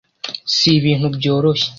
si ibintu byoroshye